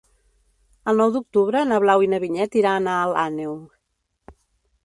El nou d'octubre na Blau i na Vinyet iran a Alt Àneu.